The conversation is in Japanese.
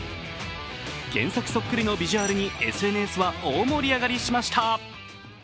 原作そっくりのビジュアルにＳＮＳは大盛り上がりしました。